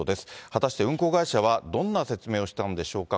果たして運航会社はどんな説明をしたんでしょうか。